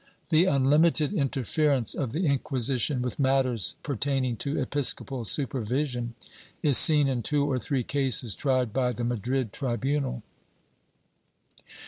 ^ The unlimited interference of the Inquisition with matters per taining to episcopal supervision is seen in two or three cases tried by the Madrid tribunal.